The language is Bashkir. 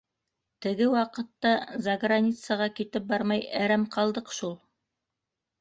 Теге ваҡытта заграницаға китеп бармай әрәм ҡалдыҡ шул.